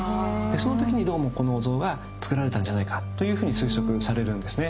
その時にどうもこのお像がつくられたんじゃないかというふうに推測されるんですね。